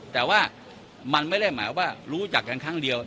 แต่ว่ามันไม่ได้หมายว่ารู้จักกันครั้งเดียว